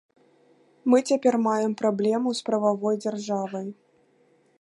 Мы цяпер маем праблему з прававой дзяржавай.